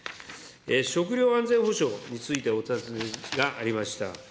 食料安全保障についてお尋ねがありました。